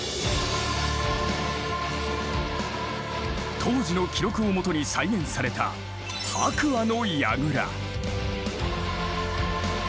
当時の記録をもとに再現された白亜の櫓。